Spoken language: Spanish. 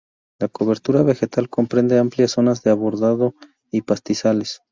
La cobertura vegetal comprende amplias zonas de arbolado y pastizales.